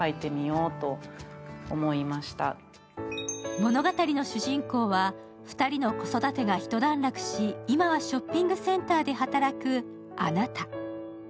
物語の主人公は、２人の子育てが一段落し、今はショッピングセンターで働く「あなた」。